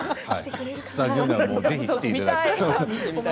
スタジオにはぜひ来ていただきたいですね。